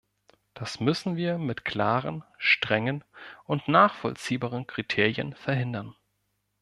Das müssen wir mit klaren, strengen und nachvollziehbaren Kriterien verhindern.